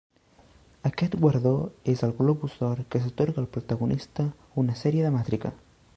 Aquest guardó és el Globus d'Or que s'atorga al protagonista una sèrie dramàtica.